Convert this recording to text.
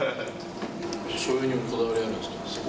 しょうゆにこだわりがあるんですか。